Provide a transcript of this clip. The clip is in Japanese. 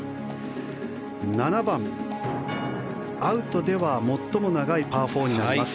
７番、アウトでは最も長いパー４になります。